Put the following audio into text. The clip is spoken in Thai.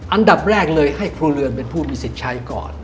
อันดับแรกเลยให้ครัวเรือนเป็นผู้มีสิทธิ์ใช้ก่อน